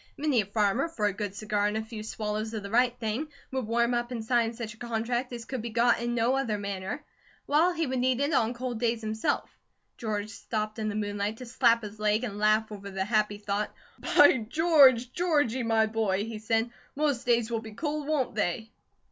Many a farmer, for a good cigar and a few swallows of the right thing, would warm up and sign such a contract as could be got in no other manner; while he would need it on cold days himself. George stopped in the moonlight to slap his leg and laugh over the happy thought. "By George, Georgie, my boy," he said, "most days will be cold, won't they?"